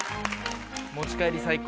持ち帰り最高。